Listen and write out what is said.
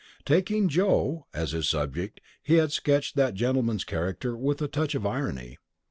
Taking "Joe" as his subject he had sketched that gentleman's character with a touch of irony.